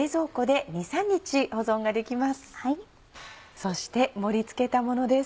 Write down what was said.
そして盛り付けたものです。